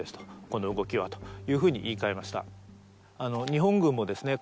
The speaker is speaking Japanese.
この動きはというふうに言い換えました日本軍もですね